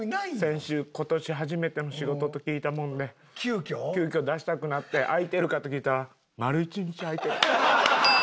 先週今年初めての仕事と聞いたもんで急遽出したくなって空いてるか？と聞いたら丸１日空いてる。